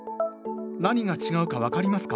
何が違うか分かりますか？